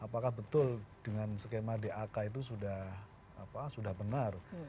apakah betul dengan skema dak itu sudah benar